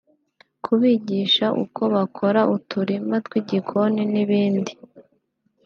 kubigisha uko bakora uturima tw’igikoni n’ibindi